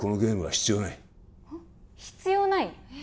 必要ない？え？